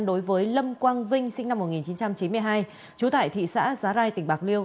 đối với lâm quang vinh sinh năm một nghìn chín trăm chín mươi hai trú tại thị xã giá rai tỉnh bạc liêu